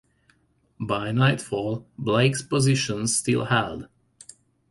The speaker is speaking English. By nightfall, Blake's positions still held.